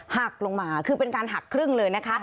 หักลงมาคือเป็นการหักครึ่งเลยนะคะ